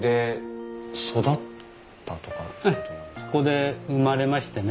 ここで生まれましてね。